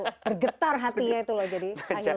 bergetar hatinya itu loh jadi